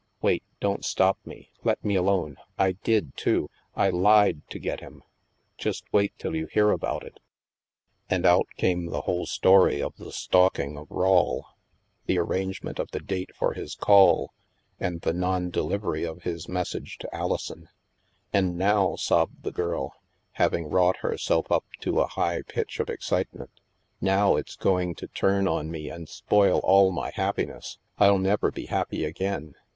Wait, don't stop me; let me alone. — I did, too, I lied to get him. Just wait till you hear about it." And out came the whole story of the stalking of STILL WATERS 89 Rawle, the arrangement of the date for his call, and the nondelivery of his message to Alison. " And now," sobbed the girl, having wrought her self up to a high pitch of excitement, " now it's go ing to turn on me and spoil all my happiness. Til never be happy again.